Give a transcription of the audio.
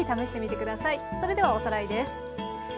それではおさらいです。